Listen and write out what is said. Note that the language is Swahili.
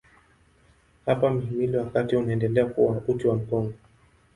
Hapa mhimili wa kati unaendelea kuwa uti wa mgongo.